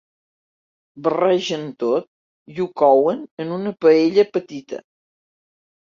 Barregen tot i ho couen en una paella petita.